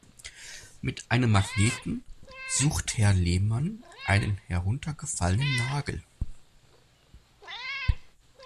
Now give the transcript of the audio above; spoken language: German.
Mit einem Magneten sucht Herr Lehmann einen heruntergefallenen Nagel.